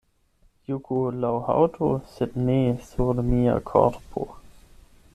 Juku la haŭto, sed ne sur mia korpo.